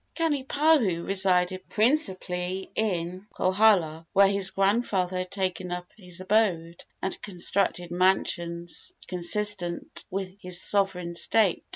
Kanipahu resided principally in Kohala, where his grandfather had taken up his abode, and constructed mansions consistent with his sovereign state.